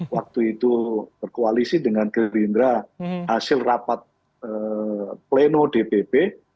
waktu itu berkoalisi dengan gerindra hasil rapat pleno dpp